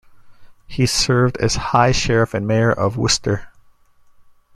He served as High Sheriff and Mayor of Worcester.